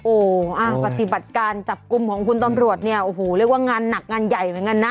โอ้โหปฏิบัติการจับกลุ่มของคุณตำรวจเนี่ยโอ้โหเรียกว่างานหนักงานใหญ่เหมือนกันนะ